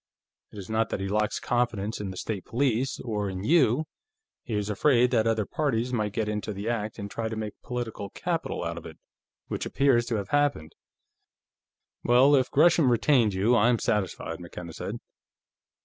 "It is not that he lacks confidence in the State Police, or in you; he was afraid that other parties might get into the act and try to make political capital out of it. Which appears to have happened." "Well, if Gresham retained you, I'm satisfied," McKenna said.